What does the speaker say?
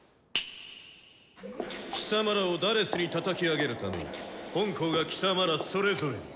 貴様らを「４」にたたき上げるために本校が貴様らそれぞれに。